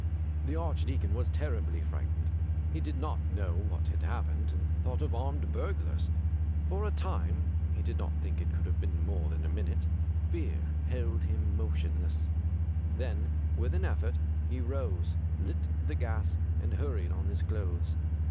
The Archdeacon was terribly frightened. He did not know what had happened, and thought of armed burglars. For a time — he did not think it could have been more than a minute — fear held him motionless. Then with an effort he rose, lit the gas, and hurried on his clothes.